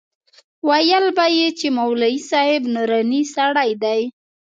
ويل به يې چې مولوي صاحب نوراني سړى دى.